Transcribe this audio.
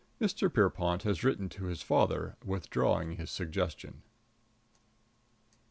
|| Pierrepont has written to || his father withdrawing || his suggestion.